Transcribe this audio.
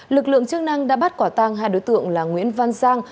lực lượng chức năng đã bắt quả tang hai đối tượng là nguyễn văn giang